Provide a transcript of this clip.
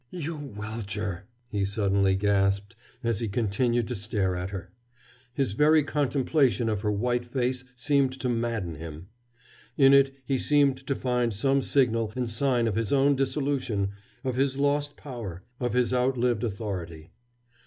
"You welcher!" he suddenly gasped, as he continued to stare at her. His very contemplation of her white face seemed to madden him. In it he seemed to find some signal and sign of his own dissolution, of his lost power, of his outlived authority.